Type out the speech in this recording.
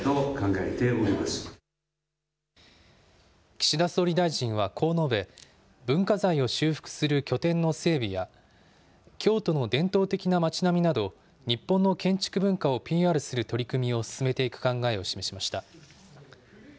岸田総理大臣はこう述べ、文化財を修復する拠点の整備や、京都の伝統的な町並みなど、日本の建築文化をＰＲする取り組みを進めていく考えを示しました。